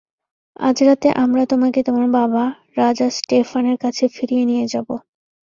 আজ রাতে, আমরা তোমাকে তোমার বাবা, রাজা স্টেফানের কাছে ফিরিয়ে নিয়ে যাবো।